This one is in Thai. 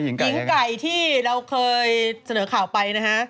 หญิงไก่ที่เราเคยเสนอข่าวไปนะฮะ